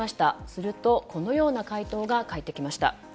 すると、このような回答が返ってきました。